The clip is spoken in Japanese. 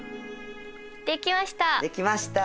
できました！